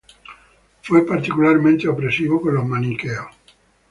Fue particularmente opresivo con los maniqueos.